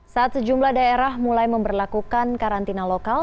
saat sejumlah daerah mulai memperlakukan karantina lokal